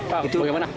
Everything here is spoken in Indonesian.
pak itu bagaimana